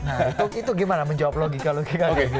nah itu gimana menjawab logika logika